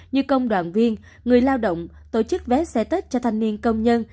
như công đoàn viên người lao động tổ chức vé xe tết cho thanh niên công nhân